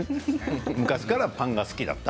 昔からパンが好きだった。